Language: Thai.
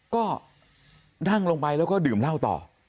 ก็นั่งลงไปแล้วก็ดื่มเหล้าต่อ